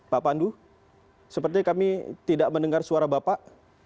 pak pandu sepertinya kami tidak mendengar suara bapak